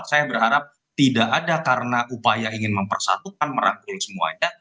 saya berharap tidak ada karena upaya ingin mempersatukan merangkul semuanya